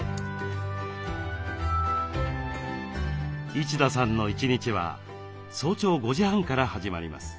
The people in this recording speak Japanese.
一田さんの一日は早朝５時半から始まります。